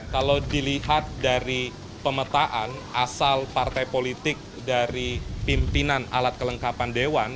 kalau dilihat dari pemetaan asal partai politik dari pimpinan alat kelengkapan dewan